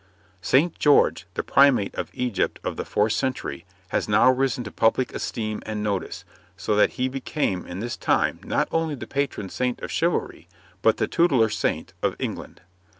St. George, the Primate of Egypt in the fourth century, had now risen to public esteem and notice, so that he became in this time not only the patron saint of chivalry, but the tutelar saint of England.